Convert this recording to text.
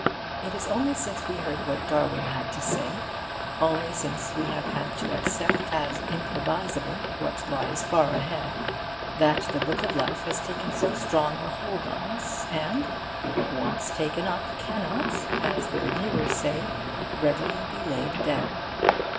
It is only since we heard what Darwin had to say, only since we have had to accept as improvisible what lies far ahead, that the Book of Life has taken so strong a hold on us and 'once taken up, cannot,' as the reviewers say, 'readily be laid down.